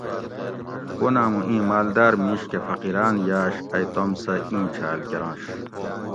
کوناۤمُو اِیں ماۤلداۤر مِیش کہ فقیراۤن یاۤش ائ توم سہۤ اِیں چھاۤل کرنش